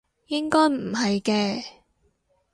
應該唔係嘅